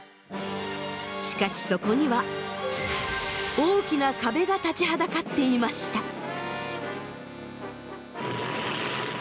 しかしそこには大きな壁が立ちはだかっていました。